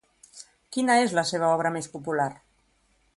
Quina és la seva obra més popular?